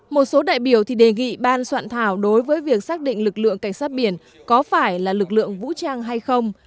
một số đại biểu thì đề nghị ban soạn thảo đối với việc xác định lực lượng cảnh sát biển có phải là lực lượng vũ trang hay không